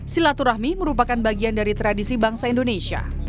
silaturahmi merupakan bagian dari tradisi bangsa indonesia